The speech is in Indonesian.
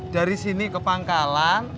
dari sini ke pangkalan